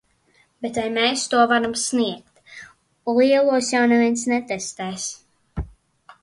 Bet vai mēs to varam sniegt. Lielos jau neviens netestēs.